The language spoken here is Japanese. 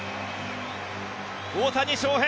大谷翔平！